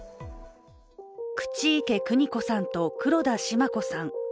口池邦子さんと黒田シマ子さん。